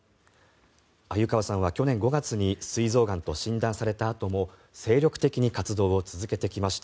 鮎川さんは去年５月にすい臓がんと診断されたあとも精力的に活動を続けてきました。